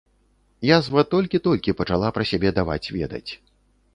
Язва толькі-толькі пачала пра сябе даваць ведаць.